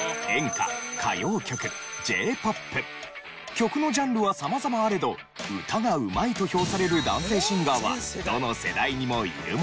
曲のジャンルは様々あれど歌がうまいと評される男性シンガーはどの世代にもいるものです。